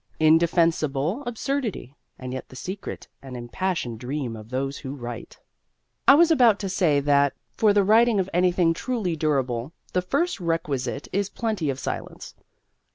Indefensible absurdity, and yet the secret and impassioned dream of those who write! I was about to say that, for the writing of anything truly durable, the first requisite is plenty of silence.